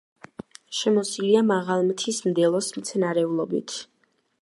შემოსილია მაღალმთის მდელოს მცენარეულობით.